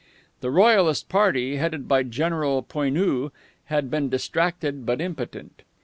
The royalist party, headed by General Poineau, had been distracted but impotent.